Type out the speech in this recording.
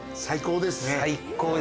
最高ですね。